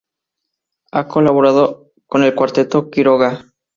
Ha colaborado con el cuarteto Quiroga.